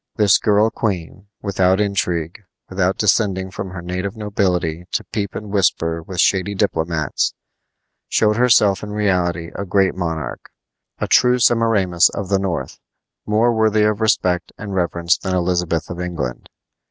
This girl queen, without intrigue, without descending from her native nobility to peep and whisper with shady diplomats, showed herself in reality a great monarch, a true Semiramis of the north, more worthy of respect and reverence than Elizabeth of England.